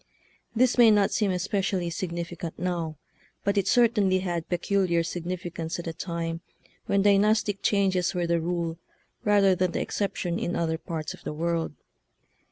This may not seem especially significant now, but it certainly had peculiar signifi cance at a time when dynastic changes were the rule rather than the exception in other parts of the world.